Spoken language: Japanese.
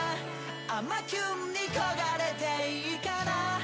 甘キュンに焦がれていいかな？